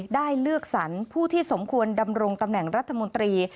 ได้เลือกสรรผู้ที่สมควรดำรงตำแหน่งรัฐมนตรี